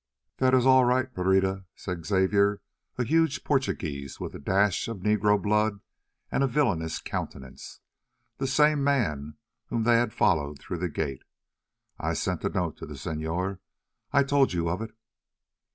"That is all right, Pereira," said Xavier, a huge Portuguese with a dash of negro blood and a villainous countenance, the same man whom they had followed through the gate. "I sent a note to the Senor. I told you of it."